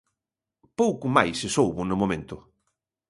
Pouco máis se soubo no momento.